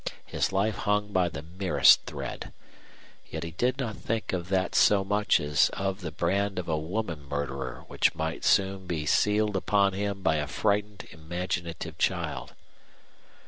His life hung by the merest thread. Yet he did not think of that so much as of the brand of a woman murderer which might be soon sealed upon him by a frightened, imaginative child.